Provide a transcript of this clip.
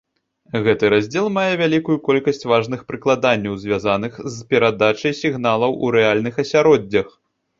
Гэты раздзел мае вялікую колькасць важных прыкладанняў, звязаных з перадачай сігналаў у рэальных асяроддзях.